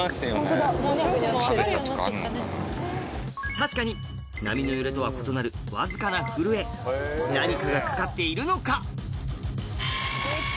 確かに波の揺れとは異なるわずかな震え何かが掛かっているのか？